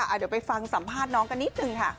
เดี๋ยวไปฟังสัมภาษณ์น้องกันนิดนึงค่ะ